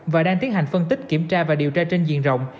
và đang tiến hành phân tích kiểm tra và điều tra trên diện rộng